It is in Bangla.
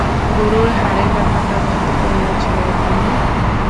গরুর হাড়ের ব্যাপারটা ধরতে পেরেছ, তাই না?